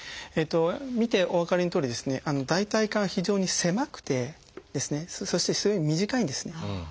見てお分かりのとおりですね大腿管は非常に狭くてそして非常に短いんですね。